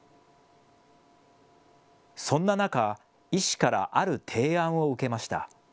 そんな中、医師からある提案を受けました。